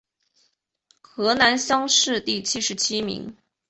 河南乡试第七十七名。